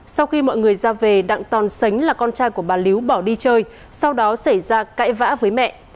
sau khi mọi người ra về đặng tòn sánh là con trai của bà líu bỏ đi chơi sau đó xảy ra cãi vã với mẹ